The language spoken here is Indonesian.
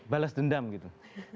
balas dendam gitu